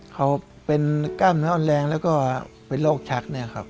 เขาเป็นก้านเหนืออ่อนแรงแล้วก็เป็นโรคชัก